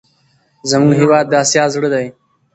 زموږ هېواد د اسیا زړه دی.